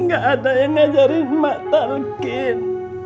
gak ada yang ngajarin mak talkin